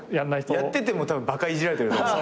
やっててもたぶんバカいじられてると思います。